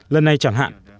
lần này chẳng hạn